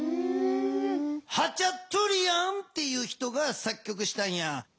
ハチャトゥリアンっていう人が作曲したんや。